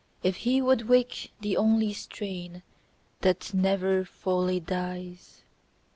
If he would wake the only strain That never fully dies